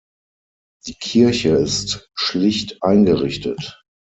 Die Kirche ist schlicht eingerichtet.